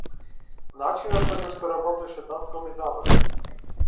Начинот на кој што работеше татко ми заврши.